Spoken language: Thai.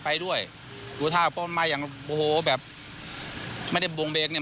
ไปด้วยหรือถ้ามันมาอย่างโอ้โหแบบไม่ได้บวงเบรกเนี่ย